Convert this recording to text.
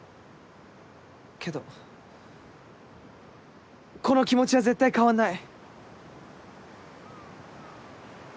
けどこの気持ちは絶対変わんない。